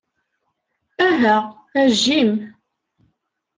Aha, a Jim.